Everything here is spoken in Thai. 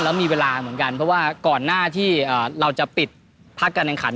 แล้วมีเวลาเหมือนกันเพราะว่าก่อนหน้าที่เราจะปิดพักการแข่งขัน